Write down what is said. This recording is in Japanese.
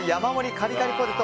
カリカリポテト。